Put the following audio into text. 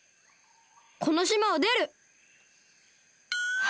このしまをでる！は？